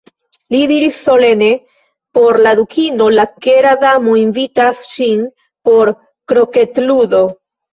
Li diris solene: "Por la Dukino, La Kera Damo invitas ŝin por kroketludo."